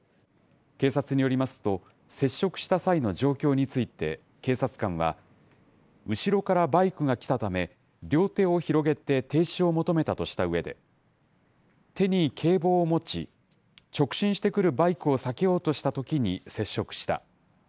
警察によりますと、接触した際の状況について、警察官は、後ろからバイクが来たため、両手を広げて停止を求めたとしたうえで、手に警棒を持ち、直進してくるバイクを避けようとしたときに接触した。